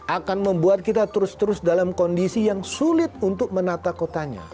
akan membuat kita terus terus dalam kondisi yang sulit untuk menata kotanya